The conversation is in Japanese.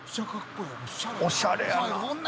おしゃれやな。